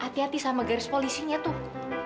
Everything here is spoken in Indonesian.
hati hati sama garis polisinya tuh